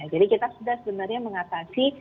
jadi kita sudah sebenarnya mengatasi